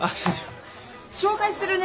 紹介するね。